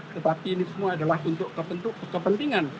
tetapi ini semua adalah untuk kepentingan